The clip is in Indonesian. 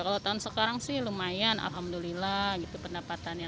kalau tahun sekarang sih lumayan alhamdulillah gitu pendapatannya